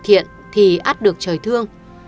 thiện thì át được trời thương